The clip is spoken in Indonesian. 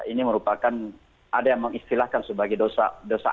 ini merupakan ada yang mengistilahkan sebagai dosa dosa